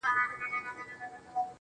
پوهېږم نه چي بيا په څه راته قهريږي ژوند؟